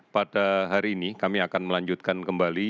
pada hari ini kami akan melanjutkan kembali